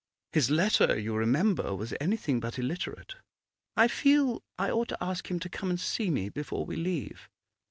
'His letter, you remember, was anything but illiterate. I feel I ought to ask him to come and see me before we leave.